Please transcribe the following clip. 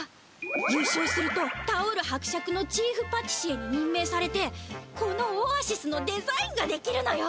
ゆうしょうするとタオール伯爵のチーフパティシエににんめいされてこのオアシスのデザインができるのよ！